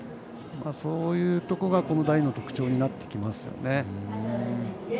そういうところがこの台の特徴になってきますね。